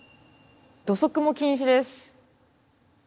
土足も禁止です。